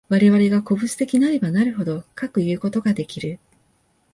我々が個物的なればなるほど、かくいうことができる。